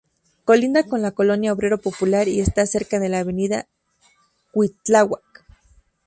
Colinda con la colonia Obrero Popular y está cerca de la Avenida Cuitláhuac.